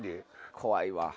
怖いわ。